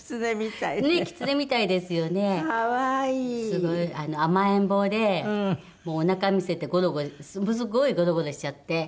すごい甘えん坊でおなか見せてゴロゴロすごいゴロゴロしちゃって。